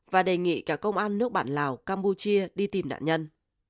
và đề nghị cả công an nước bản lào campuchia đi tìm nạn nhân